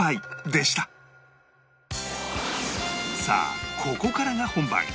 さあここからが本番！